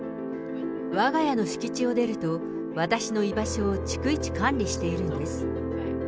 わが家の敷地を出ると、私の居場所を逐一管理しているんです。